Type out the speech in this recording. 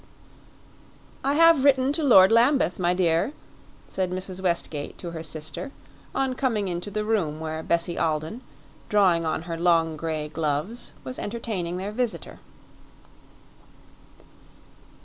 "I have written to Lord Lambeth, my dear," said Mrs. Westgate to her sister, on coming into the room where Bessie Alden, drawing on her long gray gloves, was entertaining their visitor.